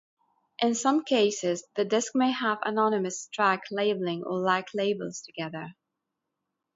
In some cases, the disc may have anonymous track labeling or lack labels altogether.